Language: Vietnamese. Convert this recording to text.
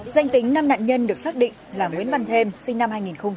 danh tính năm nạn nhân được xác định là nguyễn văn thêm sinh năm hai nghìn